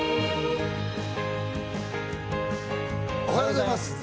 おはようございます。